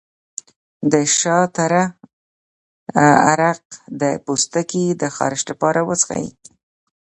د شاه تره عرق د پوستکي د خارښ لپاره وڅښئ